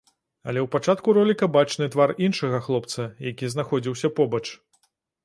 Але ў пачатку роліка бачны твар іншага хлопца, які знаходзіўся побач.